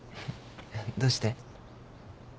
どうして？